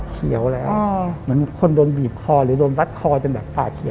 เขียวแล้วเหมือนคนโดนบีบคอหรือโดนรัดคอจนแบบปากเขียว